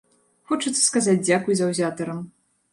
Хочацца сказаць дзякуй заўзятарам.